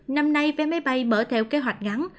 năm nay vé máy bay mở theo kế hoạch ngắn